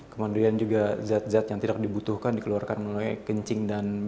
kemudian juga zat zat yang tidak dibutuhkan dikeluarkan melalui kencing dan